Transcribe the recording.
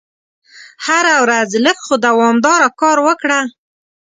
هره ورځ لږ خو دوامداره کار وکړه.